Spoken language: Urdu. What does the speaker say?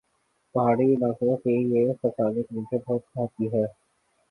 پہاڑی علاقوں کی یہ خصلت مجھے بہت بھاتی ہے